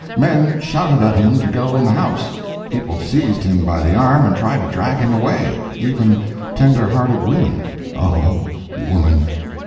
Men shouted at him to go in the house, people seized him by the arm and tried to drag him away—even tender hearted women, (O, Woman!